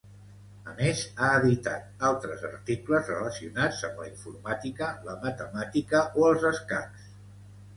A més ha editat altres articles relacionats amb la informàtica, la matemàtica o els escacs.